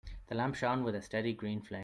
The lamp shone with a steady green flame.